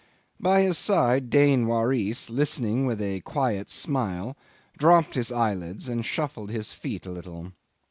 By his side Dain Waris, listening with a quiet smile, dropped his eyelids and shuffled his feet a little.